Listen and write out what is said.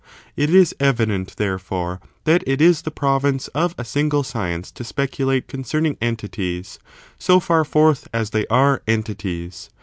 It is evident, therefore, that it is the province of a single science to speculate concerning entities, so fax forth as they are entities.